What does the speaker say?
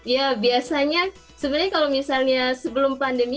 ya biasanya sebenarnya kalau misalnya sebelum pandemi